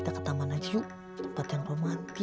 eee perasaan aku gak janji ke rumah kamu deh ra